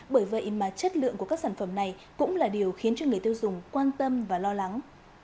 bởi vậy mà chất lượng của các sản phẩm này cũng là điều khiến cho người tiêu dùng quan tâm và lo lắng